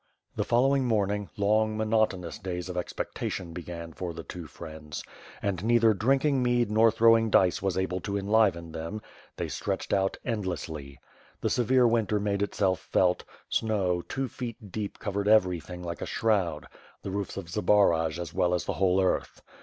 The following morning, long, monotonous days of expecta tion began for the two friends; and neither drinking mead nor throwing dice was able to enliven them; they stretched out endlessly. The severe winter made itself felt; snow, two feet deep, covered everything like a shroud, the roofs of Zbaraj as well as the whole earth.